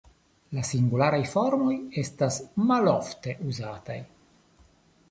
La singularaj formoj estas malofte uzataj.